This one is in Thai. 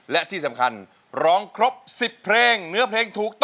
เดี๋ยวถนนทางไทย๐๙